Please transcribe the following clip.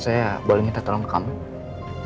saya boleh minta tolong kamu